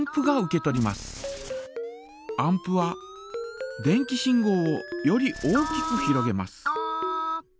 アンプは電気信号をより大きくひろげます。